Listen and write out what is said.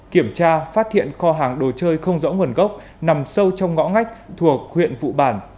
kiểm tra phát hiện kho hàng đồ chơi không rõ nguồn gốc nằm sâu trong ngõ ngách thuộc huyện vụ bản